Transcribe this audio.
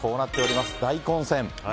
大混戦。